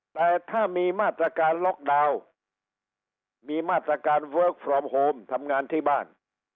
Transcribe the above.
แต่ถ้ามีมาตรการล็อกดาวน์มีมาตรการเวิร์คฟอร์มโฮมทำงานที่บ้าน